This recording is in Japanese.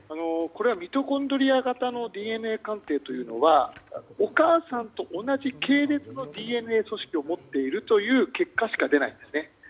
ミトコンドリア型のＤＮＡ鑑定というのはお母さんと同じ系列のＤＮＡ組織を持っているという結果しか出ないんですね。